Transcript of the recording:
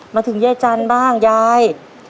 มาถึงแย่จันบ้างยาย